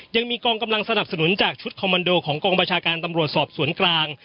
ยังมีกองกำลังสนับสนุนจากชุดคอมมันโดของกองประชาการตำรวจสอบสวนกลาง